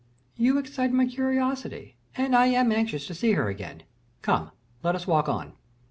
"You excite my curiosity and I am anxious to see her again. Come, let us walk on."